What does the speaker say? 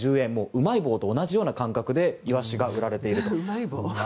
うまい棒と同じような感覚でイワシが売られていると。